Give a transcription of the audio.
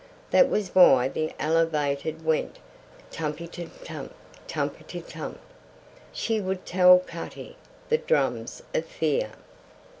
That was why the Elevated went tumpitum tump! tumpitum tump! She would tell Cutty. The drums of fear.